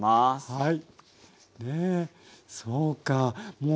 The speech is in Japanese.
はい。